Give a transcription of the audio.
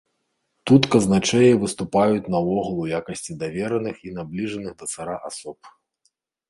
Тут казначэі выступаюць наогул у якасці давераных і набліжаных да цара асоб.